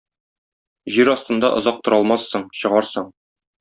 Җир астында озак тора алмассың, чыгарсың.